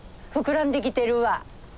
膨らんできてるわ。